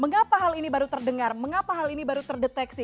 mengapa hal ini baru terdengar mengapa hal ini baru terdeteksi